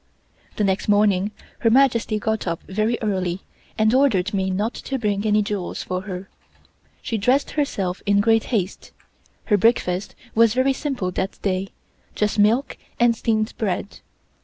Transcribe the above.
The next morning Her Majesty got up very early and ordered me not to bring any jewels for her. She dressed herself in great haste. Her breakfast was very simple that day, just milk and steamed bread.